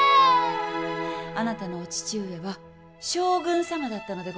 あなたのお父上は将軍様だったのでございますよ。